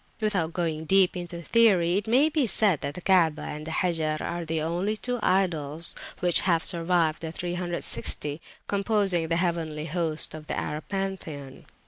Without going deep into theory, it may be said that the Kaabah and the Hajar are the only two idols which have survived the 360 composing the heavenly host of the Arab pantheon.